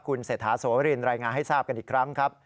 คุณเศรษฐาโสรินรายงานให้ทราบกันอีกครั้งครับ